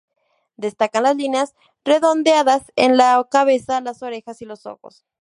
Destacan las líneas redondeadas en la cabeza, las orejas, y los ojos.